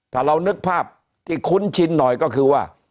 ถ้าเรานึกภาพที่คุ้นชินหน่อยก็คือว่า